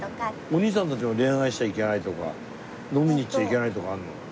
おにいさんたちは恋愛しちゃいけないとか飲みに行っちゃいけないとかあるの？